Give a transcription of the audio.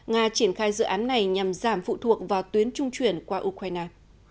nga triển khai dự án này nhằm giảm phụ thuộc vào tuyến trung chuyển qua ukraine